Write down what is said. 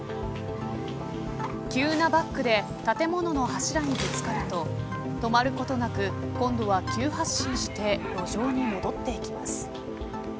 急なバックで建物の柱にぶつかると止まることなく今度は急発進して路上に戻っていきます。